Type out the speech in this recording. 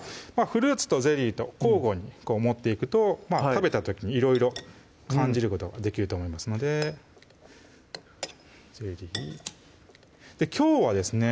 フルーツとゼリーと交互に盛っていくと食べた時いろいろ感じることができると思いますのでゼリーきょうはですね